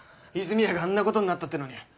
泉谷があんなことになったってのに。